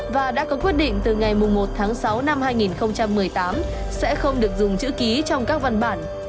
và đã có quyết định từ ngày một tháng sáu năm hai nghìn một mươi tám sẽ không được dùng chữ ký trong các văn bản